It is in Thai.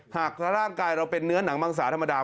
หากร่างกายเราเป็นเนื้อหนังมังสาธรรมดา